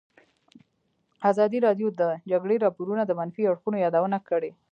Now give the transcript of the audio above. ازادي راډیو د د جګړې راپورونه د منفي اړخونو یادونه کړې.